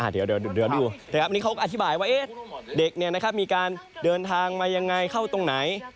เดี๋ยวดูนะครับอันนี้เขาอธิบายว่าเด็กมีการเดินทางมายังไงเข้าตรงไหน